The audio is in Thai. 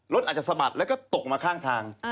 รถอาจจะสะบัดแล้วก็ตกมาข้างทาง